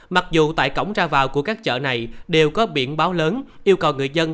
mặc dù tại cổng ra vào của các chợ này đều có biển báo lớn yêu cầu người dân